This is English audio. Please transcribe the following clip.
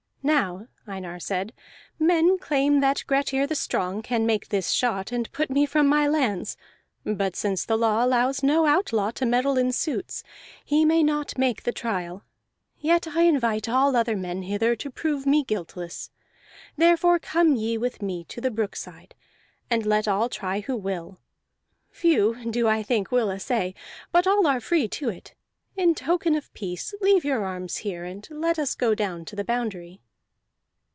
"Now," Einar said, "men claim that Grettir the Strong can make this shot and put me from my lands, but since the law allows no outlaw to meddle in suits, he may not make the trial. Yet I invite all other men hither to prove me guiltless; therefore come ye with me to the brookside, and let all try who will. Few do I think will assay, but all are free to it. In token of peace leave your arms here, and let us go down to the boundary."